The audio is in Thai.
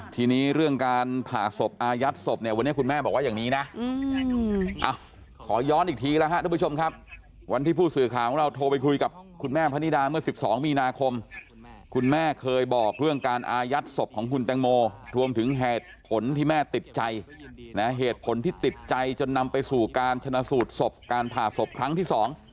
ทีนี้เรื่องการผ่าศพอายัดศพเนี่ยวันนี้คุณแม่บอกว่าอย่างนี้นะขอย้อนอีกทีแล้วครับทุกผู้ชมครับวันที่ผู้สื่อข่าวของเราโทรไปคุยกับคุณแม่พนิดาเมื่อ๑๒มีนาคมคุณแม่เคยบอกเรื่องการอายัดศพของคุณแตงโมรวมถึงเหตุผลที่แม่ติดใจนะเหตุผลที่ติดใจจนนำไปสู่การชนะสูตรศพการผ่าศพครั้งที่๒